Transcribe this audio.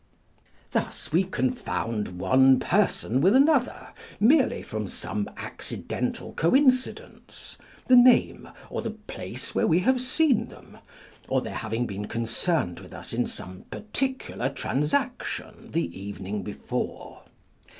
Thus we confound one person with another, merely from some accidental coin cidence, the name or the place where we have seen them, or their having been concerned wdth us in some particular transaction the evening before.